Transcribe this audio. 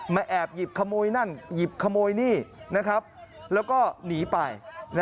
แอบหยิบขโมยนั่นหยิบขโมยนี่แล้วก็หนีไป